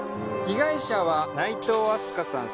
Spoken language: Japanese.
被害者は内藤明日香さん。